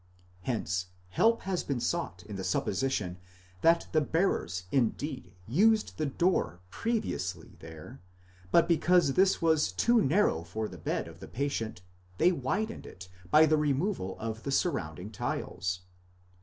Hence help has been sought in the supposition that the bearers indeed used the door previously there, but because this was too narrow for the bed of the patient, they widened it by the removal of the surrounding tiles.